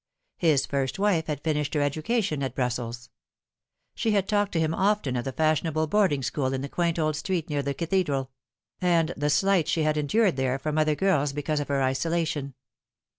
His first wife had finished her education at Brussels. She had talked to him often of the fashionable boarding school in the quaint old street near the Cathedral ; and the slights she had endured there from other girls because of her isolation.